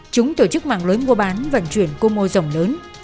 chúng tổ chức mạng lưới mua bán vận chuyển quy mô rồng lớn